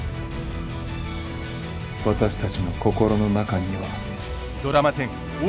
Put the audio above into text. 私たちの心の中には。